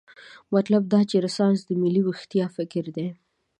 مطلب دا چې رنسانس د ملي ویښتیا فکر دی.